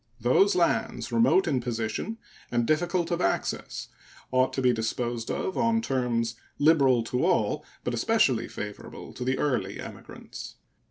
Those lands, remote in position and difficult of access, ought to be disposed of on terms liberal to all, but especially favorable to the early emigrants.